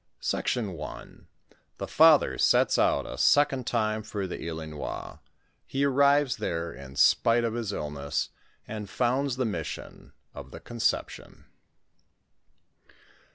^^■ SECTION I. THE FATHER BETS OCT A SECOND TIME FOR THE ILINOIS^BE ASBIVES THERE IN SPITE OF HIS ILLNESS AND FOUNDS THE MISSION OF THE CON CEPTION.